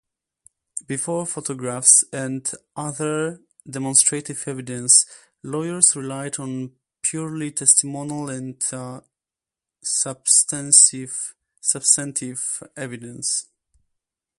Before photographs and other demonstrative evidence, lawyers relied on purely testimonial or substantive evidence.